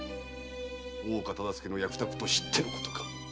大岡忠相の役宅と知ってのことか？